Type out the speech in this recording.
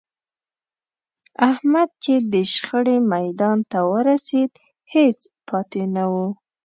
احمد چې د شخړې میدان ته ورسېد، هېڅ پاتې نه و.